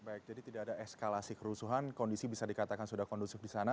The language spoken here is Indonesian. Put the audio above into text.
baik jadi tidak ada eskalasi kerusuhan kondisi bisa dikatakan sudah kondusif di sana